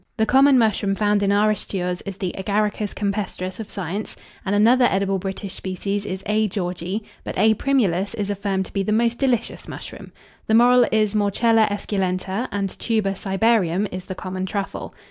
The common mushroom found in our pastures is the Agaricus campestris of science, and another edible British species is A. Georgii; but A. primulus is affirmed to be the most delicious mushroom. The morel is Morchella esculenta, and Tuber cibarium is the common truffle.